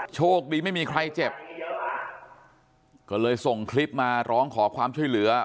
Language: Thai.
โชคดีไม่มีใครเจ็บก็เลยส่งคลิปมาร้องขอความช่วยเหลือ